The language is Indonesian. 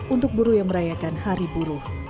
untuk buru yang merayakan hari buru